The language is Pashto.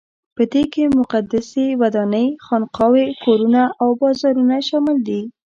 په دې کې مقدسې ودانۍ، خانقاوې، کورونه او بازارونه شامل دي.